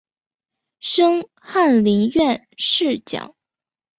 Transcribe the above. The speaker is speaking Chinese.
升翰林院侍讲。